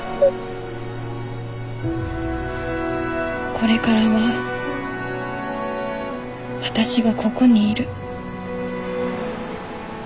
これからは私がここにいる。